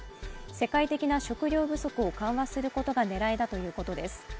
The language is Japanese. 世界的な食糧不足を緩和することが狙いだということです。